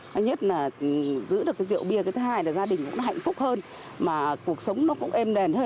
thứ nhất là giữ được cái rượu bia cái thứ hai là gia đình cũng nó hạnh phúc hơn mà cuộc sống nó cũng êm đền hơn